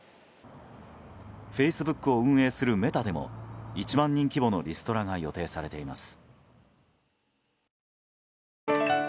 フェイスブックを運営するメタでも１万人規模のリストラが予定されています。